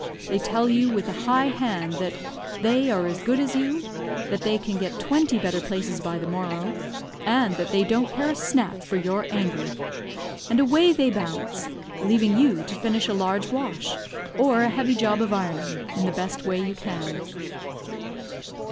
They tell you, with a high hand, that "they are as good as you; that they can get twenty better places by the morrow, and that they don't care a snap for your anger." And away they bounce, leaving you to finish a large wash, or a heavy job of ironing, in the best way you can.